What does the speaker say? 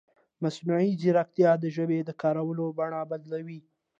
مصنوعي ځیرکتیا د ژبې د کارولو بڼه بدلوي.